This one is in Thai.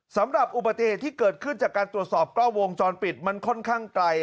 สำหรับอุบัติเหตุที่เกิดขึ้นจากการตรวจสอบกล้องวงจรปิดมันค่อนข้างไกล